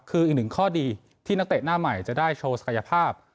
คืออีกหนึ่งข้อดีที่นักเตะหน้าใหม่จะได้โชว์ศักยภาพ